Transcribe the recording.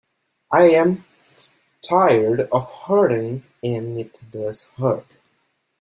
I am tired of hurting and it does hurt.